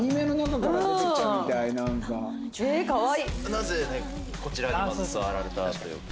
なぜこちらにまず座られたというか。